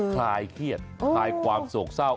คลายเครียดคลายความโศกเศร้า